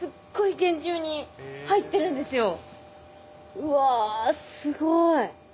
うわすごい。